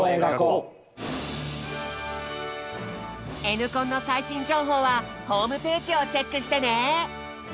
「Ｎコン」の最新情報はホームページをチェックしてね！